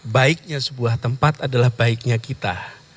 baiknya sebuah tempat adalah baiknya kita